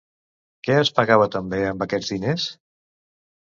Què es pagava també amb aquests diners?